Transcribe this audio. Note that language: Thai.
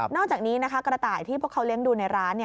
อกจากนี้นะคะกระต่ายที่พวกเขาเลี้ยงดูในร้าน